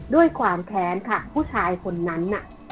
ด้วยความแค้นค่ะผู้ชายคนนั้นน่ะ